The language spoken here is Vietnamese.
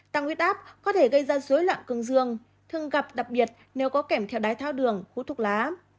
tăng nguyết áp có thể gây ra dối loạn cường dương thường gặp đặc biệt nếu có kẻm theo đáy thao đường hút thuốc lá